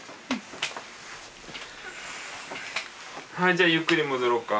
はいじゃあゆっくり戻ろうか。